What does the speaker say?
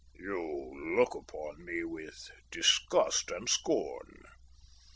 "You look upon me with disgust and scorn.